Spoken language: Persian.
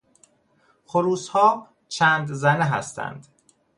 خروسها چند زنه هستند.